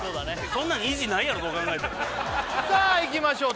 そんなの意地ないやろどう考えてもさあいきましょう